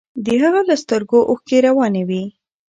د هغه له سترګو اوښکې روانې وې.